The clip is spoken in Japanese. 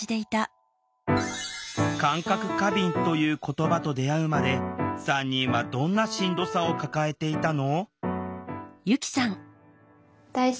「感覚過敏」という言葉と出会うまで３人はどんなしんどさを抱えていたの？